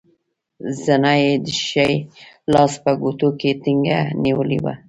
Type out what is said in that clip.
زنه یې د ښي لاس په ګوتو کې ټینګه نیولې وه.